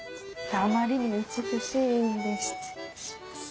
あまりに美しいんで失礼します。